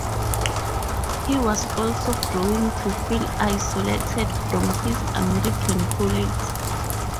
He was also growing to feel isolated from his American colleagues.